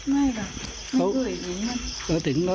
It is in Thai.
ไม่ล่ะนั่งเดือนหญิงก็